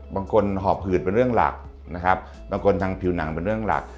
หอบหืดเป็นเรื่องหลักนะครับบางคนทางผิวหนังเป็นเรื่องหลัก